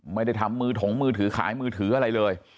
ไม่ได้ทำมือถงมือถือขายมือถืออะไรเลย